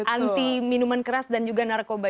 anti minuman keras dan juga narkoba